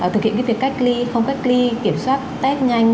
thực hiện việc cách ly không cách ly kiểm soát test nhanh